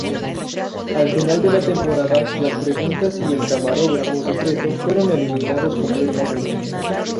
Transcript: Al final de la temporada, las preguntas y el camarógrafo secreto fueron eliminados completamente.